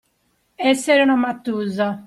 Essere una matusa.